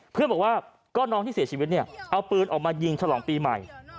เพื่อนบอกว่าก็น้องที่เสียชีวิตเนี่ยเอาปืนออกมายิงฉลองปีใหม่